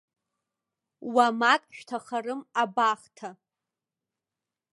Уамак шәҭахарым абахҭа.